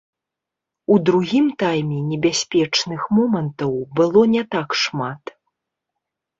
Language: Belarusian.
У другім тайме небяспечных момантаў было не так шмат.